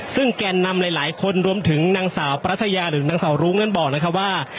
ซึ่งแก่นนำหลายคนรวมถึงนางสาวปรัชญาหรือนางสาวรุ้งนั้นบอกนะครับว่า